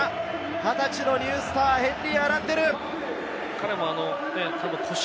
２０歳のニュースター、ヘンリー・アランデル！